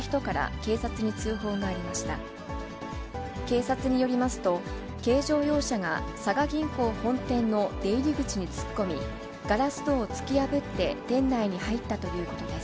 警察によりますと、軽乗用車が佐賀銀行本店の出入り口に突っ込み、ガラス戸を突き破って店内に入ったということです。